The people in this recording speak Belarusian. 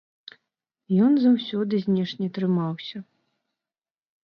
Ён заўсёды знешне трымаўся.